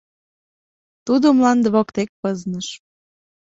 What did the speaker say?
Тудо мланде воктек пызныш.